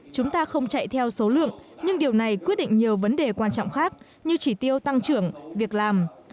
chúng ta không chạy theo số lượng nhưng điều này quyết định nhiều vấn đề quan trọng khác như chỉ tiêu tăng trưởng việc làm